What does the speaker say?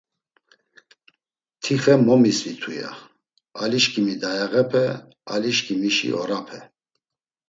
Ti xe momisvitu ya; Alişǩimi dayağepe… Alişǩimişi orapa…